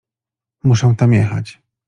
Muszę tam jechać.